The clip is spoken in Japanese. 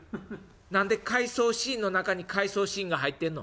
何で回想シーンの中に回想シーンが入ってんの？」。